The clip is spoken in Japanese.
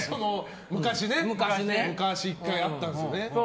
昔ね、１回あったんですよね。